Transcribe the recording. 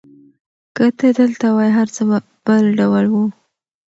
که ته دلته وای، هر څه به بل ډول وو.